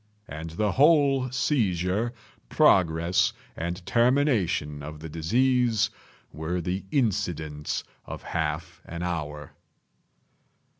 And the whole seizure, progress and termination of the disease, were the incidents of half an hour.